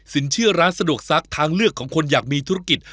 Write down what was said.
เชื่อร้านสะดวกซักทางเลือกของคนอยากมีธุรกิจ